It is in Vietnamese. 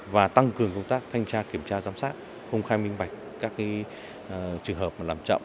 và tăng cường công tác thanh tra kiểm tra giám sát công khai minh bạch các trường hợp làm chậm